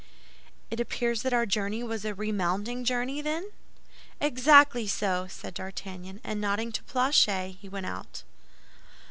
"It appears that our journey was a remounting journey, then?" "Exactly so," said D'Artagnan; and nodding to Planchet, he went out.